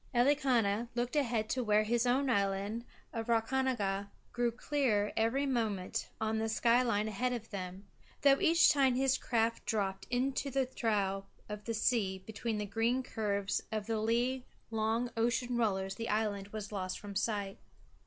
Elikana looked ahead to where his own island of Rakahanga grew clearer every moment on the sky line ahead of them, though each time his craft dropped into the trough of the sea between the green curves of the league long ocean rollers the island was lost from sight.